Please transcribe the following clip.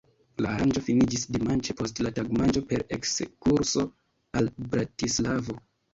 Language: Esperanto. La aranĝo finiĝis dimanĉe post la tagmanĝo per ekskurso al Bratislavo.